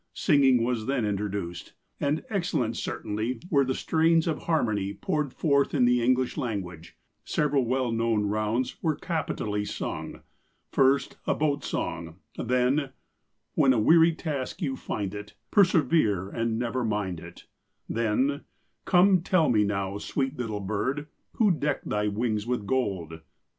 Singing was then introduced, and excellent certainly were the strains of harmony poured forth in the English language. Several well known rounds were capitally sung. First, a boat song; then :—"' When a weary task you find it, Persevere and never mind it,' Then :—"* Come tell me now, sweet little bird, Who decked thy wings with gold